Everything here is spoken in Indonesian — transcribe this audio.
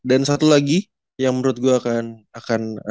dan satu lagi yang menurut gua akan